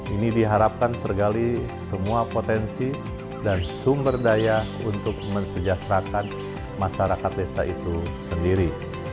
ini diharapkan tergali semua potensi dan sumber daya untuk mensejahterakan masyarakat desa itu sendiri